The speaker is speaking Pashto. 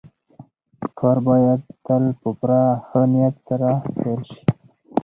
کار بايد تل په پوره ښه نيت سره پيل شي.